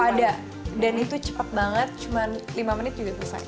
ada dan itu cepat banget cuma lima menit juga selesai